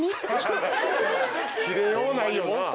キレようないよな。